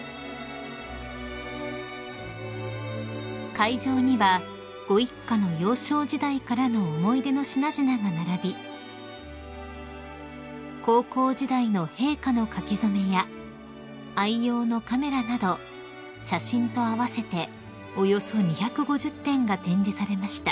［会場にはご一家の幼少時代からの思い出の品々が並び高校時代の陛下の書き初めや愛用のカメラなど写真と合わせておよそ２５０点が展示されました］